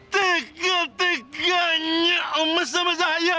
tegak tegaknya omas sama saya